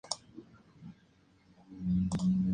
Las flores femeninas carecen de perianto.